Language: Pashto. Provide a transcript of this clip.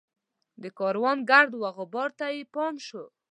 د کاروان ګرد وغبار ته یې پام شو.